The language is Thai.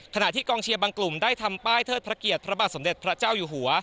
ขณะที่กองเชียร์บางกลุ่มได้ทำป้ายเทิดพระเกียรติพระบาทสมเด็จพระเจ้าอยู่หัว